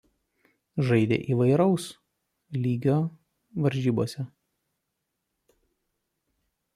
Žaidė įvairaus lygio varžybose.